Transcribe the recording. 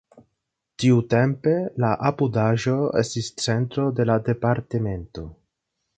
Tiutempe la apudaĵo estis centro de la departemento.